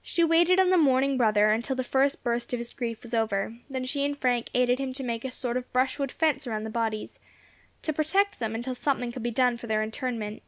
She waited on the mourning brother until the first burst of his grief was over, then she and Frank aided him to make a sort of brush wood fence around the bodies, to protect them until something could be done for their interment.